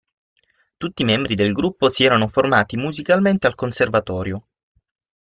Tutti i membri del gruppo si erano formati musicalmente al conservatorio.